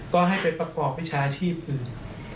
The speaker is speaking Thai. ก็ให้ไปประกอบวิชาชีพอื่น